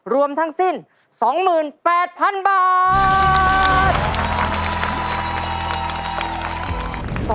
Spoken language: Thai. รวมทั้งสิ้น๒๘๐๐๐บาท